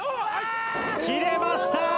切れました！